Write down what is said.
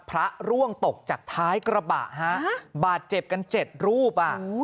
พระร่วงตกจากท้ายกระบะฮะบาดเจ็บกัน๗รูปอ่ะ